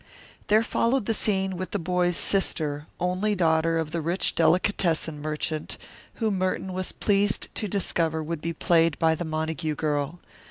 There followed the scene with the boy's sister, only daughter of the rich delicatessen merchant, who Merton was pleased to discover would be played by the Montague girl.